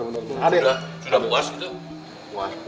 sudah sudah puas gitu